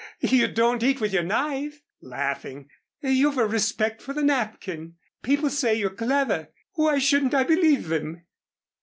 You don't eat with your knife," laughing. "You've a respect for the napkin. People say you're clever. Why shouldn't I believe them?"